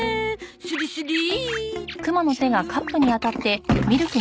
スリスリチュー！